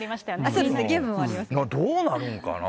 そうなるんかな。